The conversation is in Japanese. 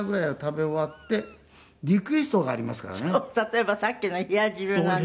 例えばさっきの冷汁なんて。